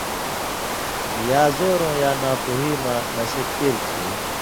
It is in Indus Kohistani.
یا زورؤں یا ناپُوہی مہ نشہ کیر کھیں